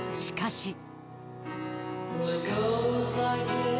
しかし。